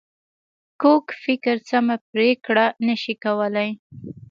کوږ فکر سمه پرېکړه نه شي کولای